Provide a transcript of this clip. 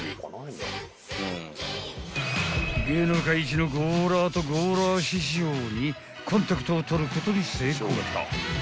［芸能界一のゴーラーとゴーラー師匠にコンタクトを取ることに成功］